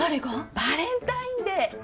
バレンタインデー。